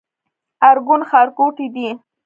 ارګون ښارګوټی دی؟